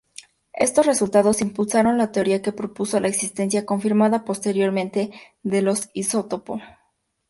Estos resultados impulsaron la teoría que propuso la existencia, confirmada posteriormente, de los isótopo.